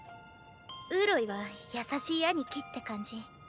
ウーロイは優しい兄貴って感じ。